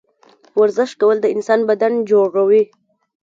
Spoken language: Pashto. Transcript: ورزش کول د انسان بدن جوړوي